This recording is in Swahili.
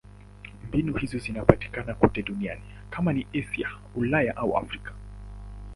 Mbinu hizo zinapatikana kote duniani: kama ni Asia, Ulaya au Afrika.